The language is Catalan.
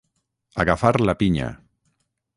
Agafar la pinya.